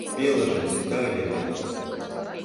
Пелыже сита ыле вет!